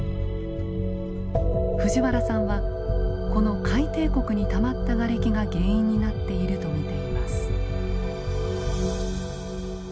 藤原さんはこの海底谷にたまったガレキが原因になっていると見ています。